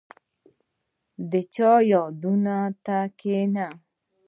• د چا یادونو ته کښېنه.